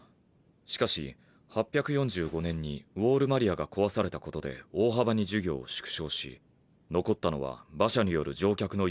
しかし８４５年にウォール・マリアが壊されたことで大幅に事業を縮小し残ったのは馬車による乗客の輸送業のみとある。